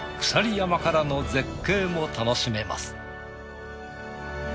山からの絶景も楽しめます。